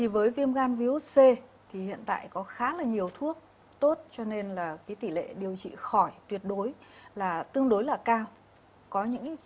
với viêm gan virus c thì hiện tại có khá là nhiều thuốc tốt cho nên là tỷ lệ điều trị khỏi tuyệt đối là tương đối là cao